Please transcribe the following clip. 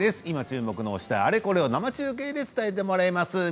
今、注目の推しあれこれ中継で伝えてもらいます。